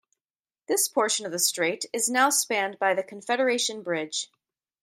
This portion of the strait is now spanned by the Confederation Bridge.